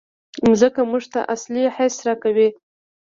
مځکه موږ ته اصلي حس راکوي.